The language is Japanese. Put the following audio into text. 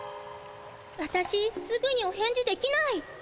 わたしすぐにお返事できない。